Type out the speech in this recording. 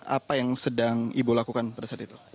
apa yang sedang ibu lakukan pada saat itu